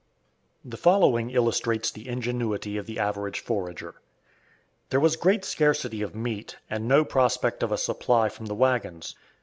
The following illustrates the ingenuity of the average forager. There was great scarcity of meat, and no prospect of a supply from the wagons.